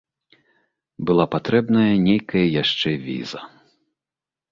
Была патрэбная нейкая яшчэ віза.